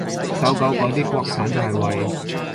搜狗嗰啲國產就係為